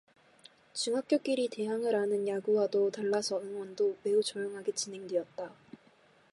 중학교끼리 대항을 하는 야구와도 달라서 응원도 매우 조용하게 진행이 되었다.